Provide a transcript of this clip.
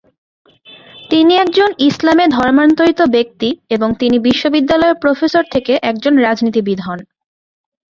তিনি একজন ইসলামে ধর্মান্তরিত ব্যক্তি এবং তিনি বিশ্ববিদ্যালয়ের প্রফেসর থেকে একজন রাজনীতিবিদ হন।